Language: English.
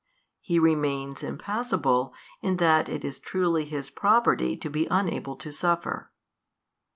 He remains Impassible in that it is truly His property to be unable to suffer.